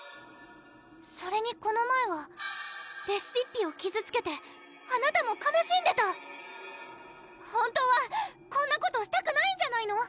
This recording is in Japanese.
それにこの前はレシピッピを傷つけてあなたも悲しんでたほんとはこんなことしたくないんじゃないの？